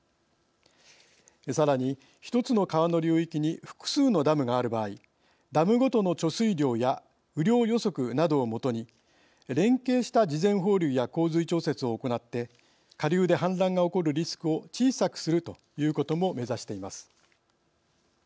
さらに、一つの川の流域に複数のダムがある場合ダムごとの貯水量や雨量予測などをもとに連携した事前放流や降水調節を行って下流で氾濫が起こるリスクを小さくするということも目指しています。